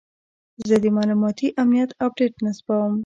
زه د معلوماتي امنیت اپډیټ نصبوم.